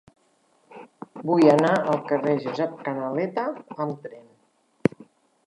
Vull anar al carrer de Josep Canaleta amb tren.